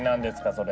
それ？